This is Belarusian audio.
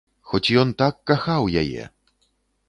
Хоць ён так кахаў яе!